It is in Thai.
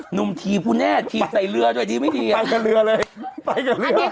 หนุ่มทีบคุณแม่ทีบใส่เรือไอ้หนุ่มมีเทียฟส่าว